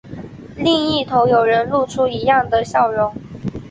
另一头有人露出一样的笑容